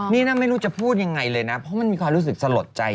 นี่นะไม่รู้จะพูดยังไงเลยนะเพราะมันมีความรู้สึกสลดใจ